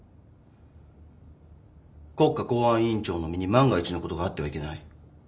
国家公安委員長の身に万が一のことがあってはいけない。